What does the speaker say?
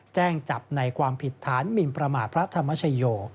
แจ้งจับในความผิดฐานหมินประมาทพระธรรมชโย